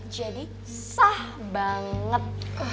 jadi sah banget